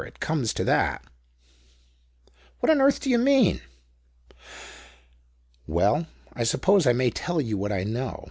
It comes to that." "What on earth do you mean?" "Well, I suppose I may tell you what I know.